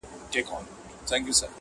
او خپل مفهوم ترې اخلي تل-